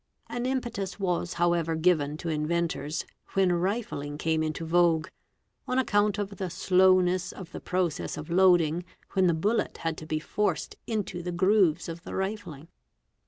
An impetus was however given to in — ventors when rifling came into vogue, on account of the slowness of the process of loading when the bullet had to be forced into the grooves of ' the rifling.